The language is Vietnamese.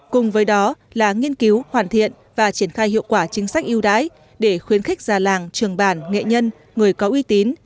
cùng với đó là nghiên cứu hoàn thiện và triển khai hiệu quả chính sách yêu đái để khuyến khích già làng trường bản nghệ nhân người có uy tín